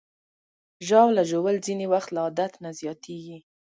ژاوله ژوول ځینې وخت له عادت نه زیاتېږي.